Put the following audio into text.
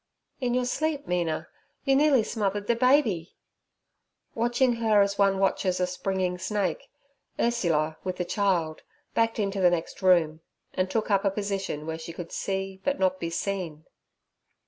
'In your sleep, Mina, you nearly smothered the baby.' Watching her as one watches a springing snake, Ursula, with the child, backed into the next room, and took up a position where she could see but not be seen.